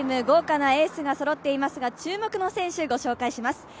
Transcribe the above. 豪華なエースがそろっていますが注目の選手、御紹介します。